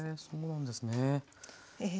そうなんですね。